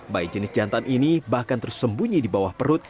bayi jenis jantan ini bahkan tersembunyi di bawah perut